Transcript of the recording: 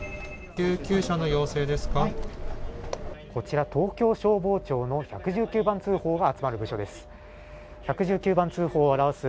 こちら東京消防庁の１１９番通報が集まる部署です。